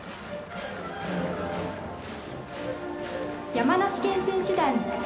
山梨県選手団。